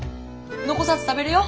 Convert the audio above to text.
残さず食べれよ！